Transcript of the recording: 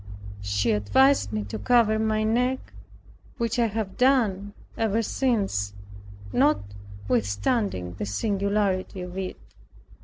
She advised me to cover my neck, which I have done ever since notwithstanding the singularity of it.